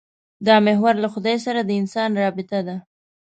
دا محور له خدای سره د انسان رابطه ده.